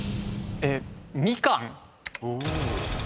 みかん。